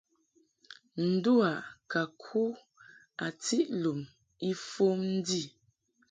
Ndu a ka ku a tiʼ lum ifom ndi.